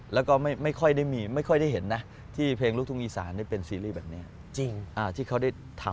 แล้วก็ไม่ค่อยได้เห็นนะที่เพลงลูกทุ่งอีสานได้เป็นซีรีส์แบบนี้